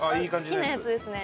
好きなやつですね。